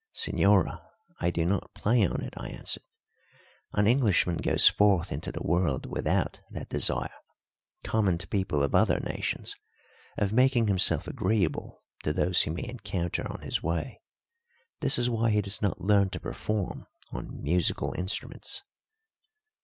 "Señora, I do not play on it," I answered. "An Englishman goes forth into the world without that desire, common to people of other nations, of making himself agreeable to those he may encounter on his way; this is why he does not learn to perform on musical instruments."